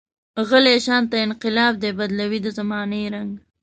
غلی شانته انقلاب دی، بدلوي د زمانې رنګ.